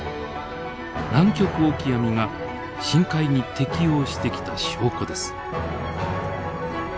ナンキョクオキアミが深海に適応してきた証拠です。